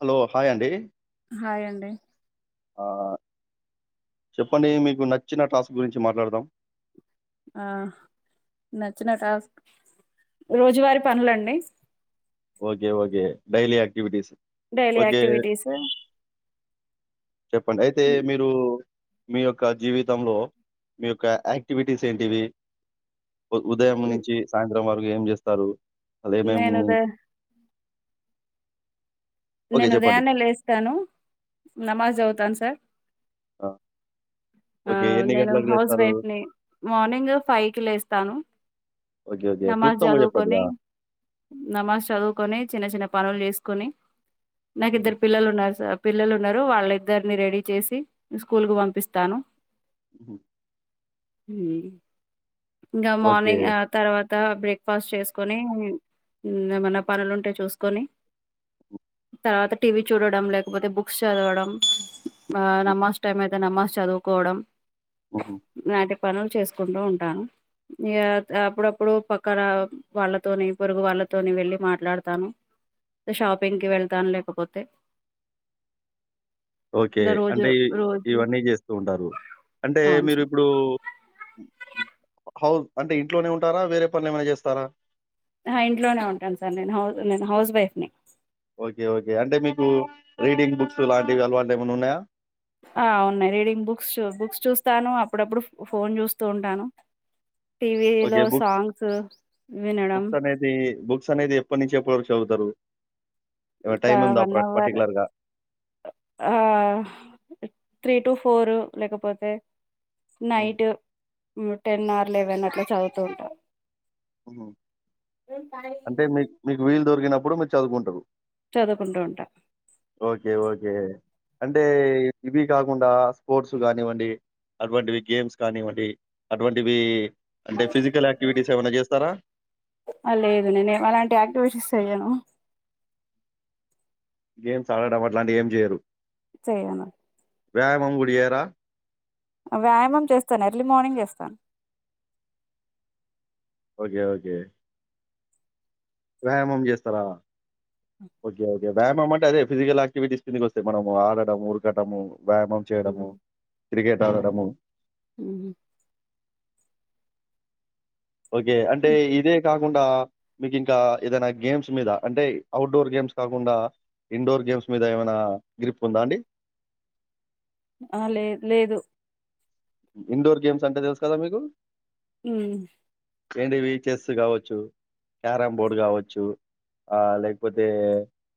Hello hi అండి hi అండి చెప్పండి మీకు నచ్చిన టాస్క్ గురించి మాట్లాడుదాం ఆ నచ్చిన టాస్క్ రోజువారి పనులండి okay okay daily activities daily activities చెప్పండి అయితే మీరు మీ యొక్క జీవితంలో మీ యొక్క యాక్టివిటీస్ ఏంటివి ఉదయం నుంచి సాయంత్రం వరకు ఏం చేస్తారు అద్ ఏమేం నేను ఉద నేను చెప్పండి. ఉదయాన్నే లేస్తాను నమాజ్ అవుతాను సార్ ఆ ఆ ఓకే. ఎన్ని నేను గంటలకు హౌస్ లేస్తారు? వైఫ్ ని మార్నింగ్ ఫైవ్ కి లేస్తాను ఓకే. ఓకే. నమాజ్ క్లుప్తంగా జెప్పండి. చదువుకొని ఆ! నమాజ్ చదువుకొని చిన్న చిన్న పనులు చేసుకుొని నాకు హుహు. ఇద్దరు పిల్లలు ఉన్నారు సార్ పిల్లలు ఉన్నారు వాళ్ళిద్దరిని రెడీ చేసి స్కూల్కి పంపిస్తాను హుహు. హు ఇకా ఓకే. మార్నింగ్ అ తర్వాత బ్రేక్ఫాస్ట్ చేసుకొని ఏమన్నా పనులుంటే చూసుకొని అ తర్వాత టీవీ చూడడం లేకపోతే బుక్స్ చదవడం హ్మ్. నమాజ్ టైమ్ అయితే నమాజ్ చదువుకో పోడం హుహు. ఇలాంటి పనులు చేసుకుంటూ ఉంటాను ఇ అప్పుడప్పుడు పక్కన వాళ్ళతోని పొరుగు వాళ్ళతోని వెళ్ళి మాట్లాడుతాను షాపింగ్ కి వెళ్తాను లేకపోతే అ ఓకే ఇలా రోజు అంటే రోజు ఇవన్నీ చేస్తూ ఉంటారు అంటే అవును మీరు సార్ ఇప్పుడు హౌస్ అంటే ఇంట్లోనే ఉంటారా వేరే పనులు ఏమైనా చేస్తారా ఆ ఇంట్లోనే ఉంటాను సార్ నేను హౌ నేను హౌస్ వైఫ్ ని ఓకే ఓకే అంటే మీకు రీడింగ్ బుక్స్ లాంటివి అలవాటు ఏమైనా ఉన్నాయా ఆ ఉన్నాయి రీడింగ్ బుక్స్ బుక్స్ చూస్తాను అప్పుడప్పుడు ఫోన్ చూస్తూ ఉంటాను టీవీ ఓకే. లో బుక్ సాంగ్స్ వినడం స్ అనేది ఎప్పటి నుంచి ఎప్పటి వర చదువుతారు ఏమైనా ఇంకా టైమ్ ఉందా పట్ వన్వర్ పర్టిక్యులర్‌గా? ఆ త్రీ టు ఫోర్ లేకపోతే హ్మ్. నైట్ టెన్ ఆవర్ లెవెన్ అట్లా చదువుతూ ఉంటారు అంటే మీకు మీకు వీలు దొరికినప్పుడు మీరు చదువుకుంటారు చదుకుంటు ఉంటా ఓకే ఓకే అంటే ఇవి కాకుండా స్పోర్ట్స్ కానివ్వండి అటువంటివి గేమ్స్ కానివ్వవి అటువంటివి అంటే ఫిజికల్ యాక్టివిటీస్ ఏమైన్నా చేస్తారా లేదు నేనే అలాంటి యాక్టివిటీస్ చెయ్యాను గేమ్స్ ఆడడం అట్లాంటివి ఏం చేయరు చేయను వ్యాయామం గుడి చెయరా వ్యాయామం చేస్తాను ఎర్లీ మార్నింగ్ చేస్తాను ఓకే ఓకే వ్యాయామం చేస్తారా ఓకే ఓకే వ్యామం అంటే అదే ఫిజికల్ క్టివిటీస్ కికి వస్తాయి మనము ఆడట ఉరకటము వ్యాయామం చేయడము ఉమ్, క్రికెట్ ఆగడము ఉమ్, ఉమ్. ఓకే అంటే ఇదే కా కాకుండా మీకు ఇంకా ఏదైనా గేమ్స్ మీద అంటే అవుట్డోర్ గేమ్స్ కాకుండా ఇండోర్ గేమ్స్ మీద ఏమైనా గ్రిప్ ఉందా అండి ఆ లే లేదు ఇండోర్ గేమ్స్ అంటే తెలుసు కదా మీకు ఉమ్ ఏంటివి చెస్ కావచ్చు క్యారం బోర్డు కావచ్చు ఆ లేకపోతే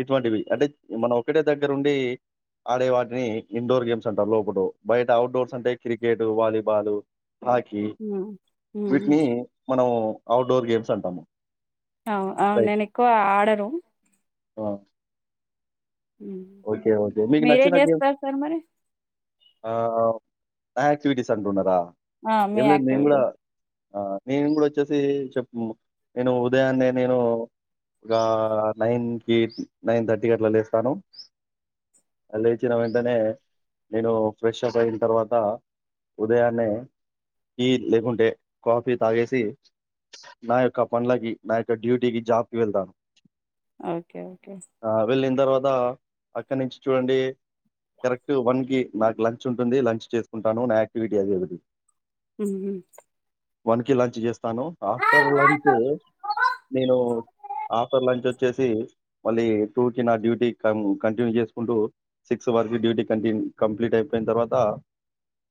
ఇటువంటివి అంటే మనం ఒకక్కటే దగ్గర ఉండి ఆడే వాటిని ఇండోర్ గేమ్స్ అంటారు లోపల బయట అవుట్డోర్స్ అంటే cricket volleyball hockey um, um. వీటిని మనము ఔట్డోర్ గేమ్స్ అంటాము అవు అవు రైట్. నేను ఎక్కువ ఆర్డరు ఆ ఉమ్. ఓకే ఓకే మీకు మీరేం నచ్చినాకేం చేస్తారు సార్ మరి ఆ యాక్టివిటీస్ అనుకున్నారా ఆ మీ క్టివిటీ ఆ నేను కూడా వచ్చేసి చెప్పు నేను ఉదయాన్నే నేను ఒక నైన్ క నైన్ థర్టీకి అట్లా లేస్తాను లేచిన వెంటనే నేను ఫ్రెష్ అప్ అయిన తర్వాత ఉదయాన్నే కీ లేకుంటే కాఫీ తాగేసి నా యొక్క పండ్లకి నా యొక్క డ్యూటీకి జాబ్ కి వెళ్తాను ఓకే ఓకే ఆహ్, వెళ్ళిన తర్వాత అక్కడి నుంచి చూడండి కరెక్ట్ గా వన్ కి నాకు లంచ్ ఉంటుంది లంచ్ చేసుకుంటాను నా యాక్టివిటీ అది ఒకటి ఊహూ వన్ కి లంచ్ చేస్తాను ఆఫ్టర్ లంచ్ నేను ఆఫ్టర్ లంచ్ వచ్చేసి మళ్ళీ టూ కి నా డ్యూటీ కి కాను కంటిన్యూ చేసుకుంటూ సిక్స్ వరకు డ్యూటీ కంటిన్ కంప్లీట్ అయిపోయిన తర్వాత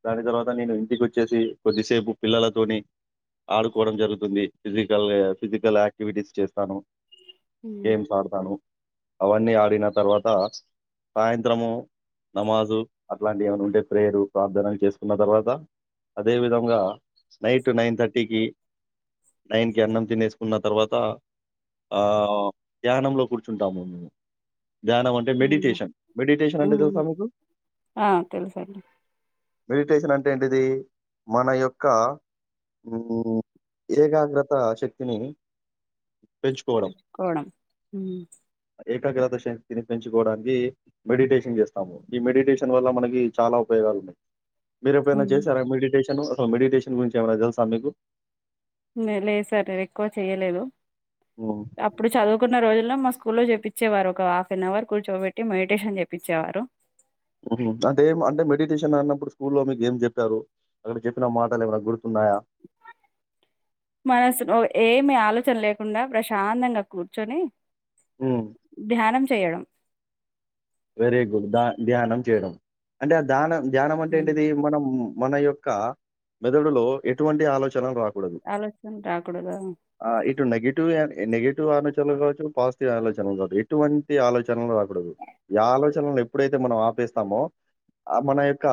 దాని తర్వాత నేను ఇంటికి వచ్చేసి కొద్దిసేపు పిల్లలతోని ఆడుకోవడం జరుగుతుంది ఫిజికల్ ఫిజికల్ యాక్టివిటీస్ చేస్తాను ఉమ్, గేమ్స్ ఆడతాను అవన్నీ ఆడిన తర్వాత సాయంత్రము నమాజు అట్లాంటియి ఏమైనా ఉంటే ప్రేయరు ప్రార్థనలు చేసుకున్న తర్వాత అదే విధంగా నైటు నైన్ థర్టీకి నైన్ కి అన్నం తినేసుకున్న తర్వాత ఆ ధ్యానంలో కూర్చుంటాము మేము ధ్యానం అంటే ఉమ్, మెడిటేషన్ మెడిటేషన్ అంటే ఉమ్. తెలుసా మీకు ఆ, తెలుసండి మెడిటేషన్ అంటే ఏంటిది మన యొక్క హ్మ్ ఏకాగ్రత శక్తిని పెంచుకోవడం తెలుసుకోడం ఏకాగ్రత శ తిని పెంచుకోవడానికి మెడిటేషన్ చేస్తాము ఈ మెడిటేషన్ వల్ల మనకి చాలా ఉపయోగాలు ఉన్నాయి మీరు ఎప్పుడైనా ఉమ్. చేసారా మెడిటేషన్ అసలు మెడిటేషన్ గురించి ఏమైనా తెలుసా మీకు లేదు సార్ ఎక్కువ చెయ్యలేదు హ్మ్. అప్పుడు చదువుకున్న రోజు మా స్కూల్లో చేపిచ్చేవారు ఒక హాఫ్ అన్ అవర్ కూర్చోబెట్టి మెడిటేషన్ చేపించేవారు అంటే ఏం అంటే మెడిటేషన్ అన్నప్పుడు స్కూల్లో మీకు ఏం చెప్పారు, అక్కడ చెప్పిన మాటలు ఏమన్నా గుర్ మనసునో ఏమి ఆలో అలోచన లేకుండా ప్రశాంతంగా కూర్చొని హ్మ్. ధ్యానం చేయడం వెరీ గుడ్ ద ధ్యానం చేయడం. అంటే ఆ ధ్యానం ధ్యానం అంటే ఉమ్. ఏంటిది మనం. మన యొక్క మెదడులో ఎటువంటి ఆలోచన రా ఆలోచన రాకుడదా టు నెగిటివ్ ఆలోచనలు కావొచ్చు పాజిటివ్ ఆలోచనలు కావచ్చు ఎటువంటి ఆలోచనలు రా ఈ ఆలోచనలు ఎప్పుడైతే మనం ఆపేస్తామో ఆ మన యొక్క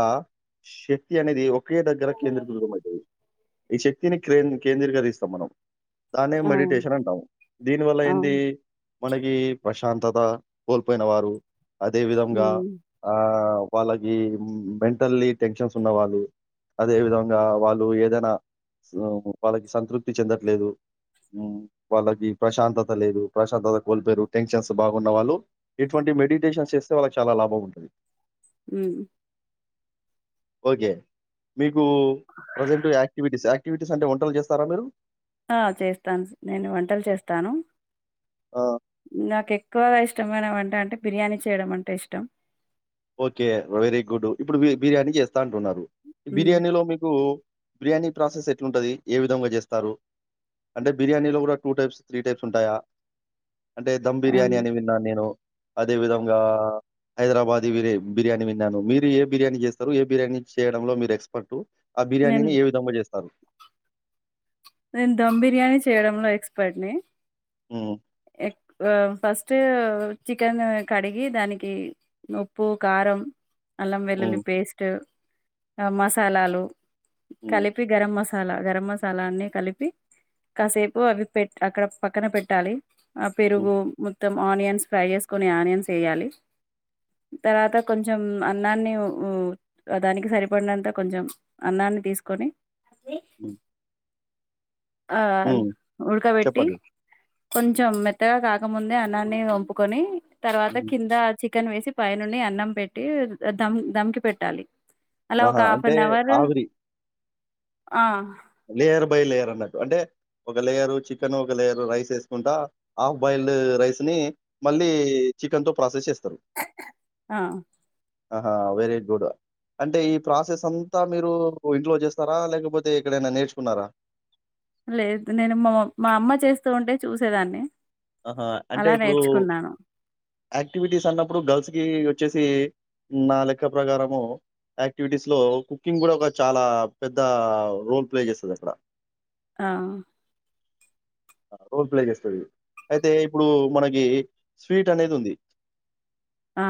శక్తి అనేది ఒ ఒకే దగ్గర కేంద్రీకృతం అయితది ఈ శక్తిని కే కేంద్రీకరిస్తాం మనం. దాన్నే మెడిటేషన్ అంటాము దీని వల్ల ఏంది అవును మనకి ప్రశాంతత కోల్పోయిన వారు అదే విధంగా ఉమ్, ఆ వాళ్ళకి మెంటల్లీ టెన్షన్స్ ఉన్న వాళ్లు అదే విధంగా వాళ్ళు ఏదైనా వాళ్ళకి సంతృప్తి చెందట్లేదు వాళ్ళకి ప్రశాంతత లేదు, ప్రశాంతత కోల్పోయిరు టెన్షన్స్ బాగున్న వాళ్ళు ఇటువంటి. మెడిటేషన్ చేస్తే వాళ్ళకి చాలా లాభం ఉంటుది హు ఓకే మీకు ప్రజెంట్ యాక్టివిటీస్, యాక్టివిటీస్ అంటే వంటలు చేస్తారా మీరు. ఆ చేస్తాన్ నేను వంటలు చేస్తాను ఆ! నాక్ కె ఎక్కువగా ఇష్టమైన వంట అంటే బిర్యానీ చేయడం అంటే ఇష్టం. ఓకే వెరీ గుడ్ ఇప్పుడు బిర్యానీ చేస్తా అంటున్నారు, ఉమ్, బిర్యానీలో మీకు. బిర్యానీ ప్రాసెస్ ఎట్లుంటది ఏ విధంగా చేస్తారు. అంటే బిర్యానీలో కూడా టూ టైప్స్, త్రీ టైప్స్ ఉంటాయా. అంటే ధమ్ బిర్యానీ అవును. అని విన్నాను నేను అదే విధంగా హైదరాబాద్ ది బియా బిర్యానీ విన్నాను మీరు ఏ బిర్యానీ చేస్తారు ఏ బిర్యానీ చేయడంలో మీరు ఎక్స్పర్ట్. ఆ నేను బిర్యానీని ఏ విధంగా చేస్తారు నేను ధమ్ బిర్యానీ చేయడంలో ఎక్స్పర్ట్ ని హ్మ్. ఎక్కువ ఫస్ట్ ఫస్ట్ చికెన్ కడిగి దానికి ఉప్పు కారం అల్లం వెల్లుల్లి హ్మ్. పేస్ట్ మసాలాలు హ్మ్. కలిపి గరం మసాలా మసాలా గరం మసాలా అన్ని కలిపి కాసేపు అవి పెట్ అక్కడ పక్కన పెట్టాలి ఆ హ్మ్. పెరుగు మొత్తం ఆనియన్స్ ఫ్రై చేసుకుని ఆనియన్స్ వేయాలి తర్వాత కొంచం అన్నాన్ని దానికి సరిపడినంత కొంచెం అన్నాన్ని తీసుకొని హు ఆ ఉడ్కబెట్టి చెప్పండి. కొంచెం మెత్తగా కాకముందే అన్నాన్ని వంపుకొని తర్వాత హ్మ్. కింద చికెన్ వేసి పైనుండి అన్నం పెట్టి దమ్ దమ్కికి పెట్టాలి అలా ఒక ఆహా! హాఫ్ అంటే అన్ అవర్ ఆవిరి. ఆ లేయర్ బై లేయర్ అన్నట్టు అంటే ఒక లేయరు చికెన్ ఒక లేయరు రైస్ వేసుకుంటా హాఫ్ బాయిల్డ్ రైస్ ని మళ్ళీ చికన్ తో ప్రాసస్ ఆ ఆహా వెరీ గుడ్ అంటే ఈ ప్రాసెస్ అంతా మీరు ఇంట్లో చేస్తారా లేకపోతే ఎక్కడైనా నేర్చుకున్నారా లేదు నేను మా మా అమ్మ చేస్తూ ఉంటే చూసేదాన్ని ఆహా అంటే అలా ఇప్పుడు నేర్చుకున్నాను యాక్టివిటీస్ అన్నప్పుడు బయటికి వచ్చేసి నాలెక్క ప్రకారము యాక్టివిటీస్ లో కుకింగ్ కూడా ఒక చాలా పెద్ద రోల్ ప్లే చేస్తుంది అక్కడ ఆ రోల్ ప్లే చేస్తది అయితే ఇప్పుడు మనకి స్వీట్ అనేది ఉంది ఆ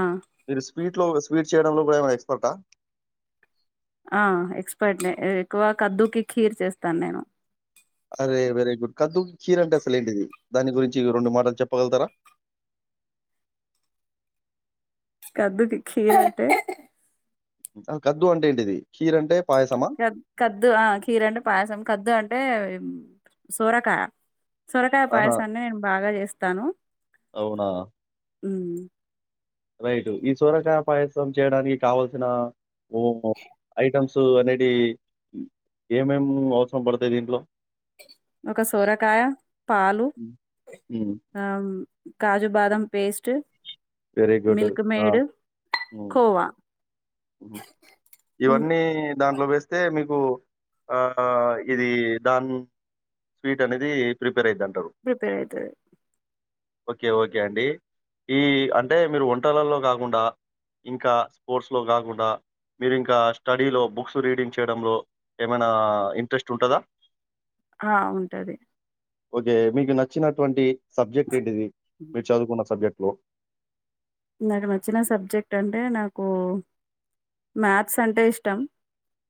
స్వీట్ లో స్వీట్ చేయడంలో కూడా ఏమన్న ఎక్స్పర్టా ఆ ఎక్స్పర్ట్ ఎక్కువ కద్దుకి ఖీర్ చేస్తాను నేను అరే వెరీ గుడ్ కద్దుకి చీర అంటే అసలు ఏంటిది దాని గురించి రెండు మాటలు చెప్పగలుగుతారా అ కద్దుకి ఫీవర్ ఉట్టే ఆ కద్దు అంటే ఏంటిది ఖీర్ అంటే పాయసమా కద్దు ఆ కీర అంటే పాయసం కద్దు అంటే సోరకా సొరకాయ ఆహా పాయసాన్ని నేను బాగా చేస్తాను అవునా రైట్ ఈ సోరకాయ పాయసం చేయడానికి కావల్సిన ఓ ఐటమ్స్ సు అనేది ఏమేం అవసరం పడతాయి దీంట్లో ఒక సొరకాయ పాలు ఆ కాజు బాదం paste very good Milkmaid khoa హ్మ్. ఇవన్నీ దాంట్లో వేస్తే మీకు ఆ ఇది దాన్ స్వీట్ అనేది ప్రిప ప్రిపేర్ అవుతుది ఓకే ఓకే అండి ఈ అంటే మీరు వంటలలో కాకుండా ఇంకా స్పోర్ట్స్ లో కాకుండా మీరు ఇంకా స్టడీలో బుక్స్ రీడింగ్ చేయడంలో ఏమైనా ఇంట్రెస్ట్ ఉంటందా ఆ ఉంటది ఓకే మీకు నచ్చినటువంటి సబ్జెక్ట్ ఏంటిది హ్మ్. మీరు చదువుకున్న సబ్జెక్ట్ లొ నాకు నచ్చిన సబ్జెక్ట్ అంటే, నాకు మ్యాథ్స్ అంటే ఇష్టం.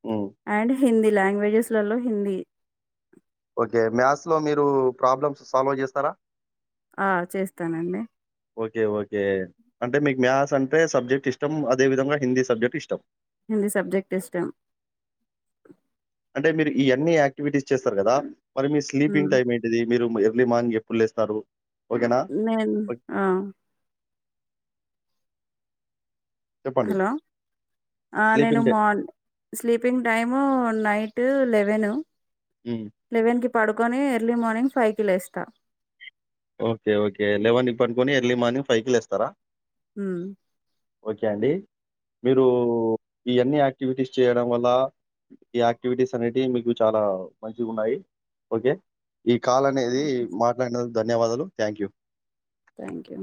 హ్మ్. అండ్ హింది. లాంగ్వేజెస్లలో హింది. ఓకె మ్యాథ్స్లో మీరు ప్రాబ్లమ్స్ సాల్వ్ చేస్తారా? ఆ. చేస్తానండి. ఓకె ఓకె అంటే, మీకు మ్యాథ్స్ అంటే సబ్జెక్ట్ ఇష్టం. అదే విధంగా, హింది సబ్జెక్ట్ ఇష్టం. హింది సబ్జెక్ట్ ఇష్టం. అంటే మీరు ఈ అన్ని యాక్టివిటీస్ చేస్తారు కదా! మరి మీ స్లీపింగ్ హ్మ్. టైమ్ ఏంటిది? మీరు ఎర్లీ మార్నింగ్ ఎప్పుడు లేస్తారు? ఓకేనా? నేన్ ఓకే. ఆ. చెప్పండి. హలో, ఆ నేను స్లీపింగ్ డే మా, స్లీపింగ్ టైము నైటు లెవెన్. హ్మ్. లెవెన్ కి పడుకొని, ఎర్లీ మార్నింగ్ ఫైవ్ కి లేస్తా. Okay okay. లెవెన్ కి పడుకొని, ఎర్లీ మార్నింగ్ ఫైవ్ కి లేస్తారా? హ్మ్. ఓకె అండి. మీరు ఈ అన్ని యాక్టివిటీస్ చేయడం వల్ల, ఈ యాక్టివిటీస్ అనేటివి మీకు చాలా మంచిగున్నాయి. ఓకె. ఈ కాల్ అనేది ఓకే. మాట్లాడినద్ ధన్యవాదాలు. Thank you. Thank you.